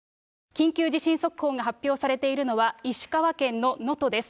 緊急地震速報が発表されているのは、石川県の能登です。